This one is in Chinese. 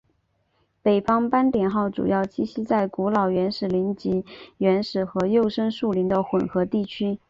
北方斑点鸮主要栖息在古老原始林及原始和幼生树林的混合地区。